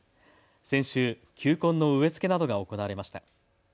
先週、球根の植え付けなどが行われました。